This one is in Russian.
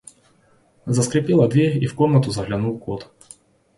Заскрипела дверь, и в комнату заглянул кот.